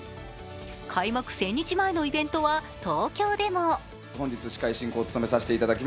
開幕１０００日前のイベントは東京でも。